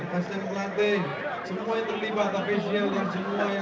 terima kasih kepada semuanya